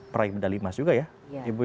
praibda limas juga ya ibu ya